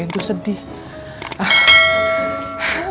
aku cintain tuh sedih